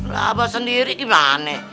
lah abah sendiri gimana